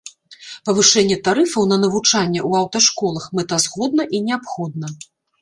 Павышэнне тарыфаў на навучанне ў аўташколах мэтазгодна і неабходна.